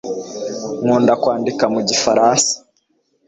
nkunda kwandika mu gifaransa